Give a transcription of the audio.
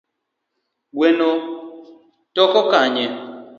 Gweno toko kanye?